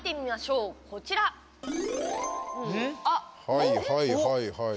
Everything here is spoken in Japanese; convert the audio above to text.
はいはいはいはい。